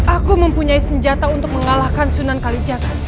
aku mempunyai senjata untuk mengalahkan sunan kalijaga